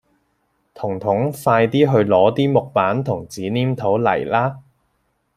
彤彤快啲去攞啲木板同紙黏土嚟啦